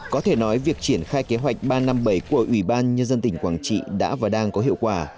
có thể nói việc triển khai kế hoạch ba trăm năm mươi bảy của ủy ban nhân dân tỉnh quảng trị đã và đang có hiệu quả